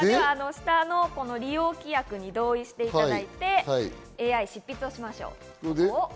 下の利用規約に同意していただいて、ＡＩ執筆をしましょう。